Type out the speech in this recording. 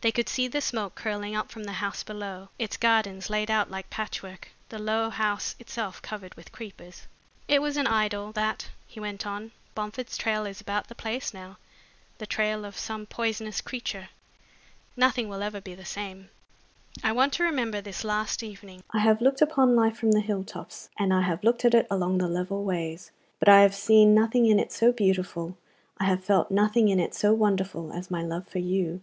They could see the smoke curling up from the house below, its gardens laid out like patchwork, the low house itself covered with creepers. "It was an idyll, that," he went on. "Bomford's trail is about the place now, the trail of some poisonous creature. Nothing will ever be the same. I want to remember this last evening. I have looked upon life from the hill tops and I have looked at it along the level ways, but I have seen nothing in it so beautiful, I have felt nothing in it so wonderful, as my love for you.